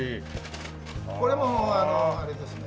これもあのあれですね。